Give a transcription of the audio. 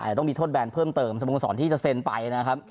ต้องมีโทษแบนเพิ่มเติมสโมสรที่จะเซ็นไปนะครับ